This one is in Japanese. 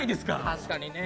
確かにね。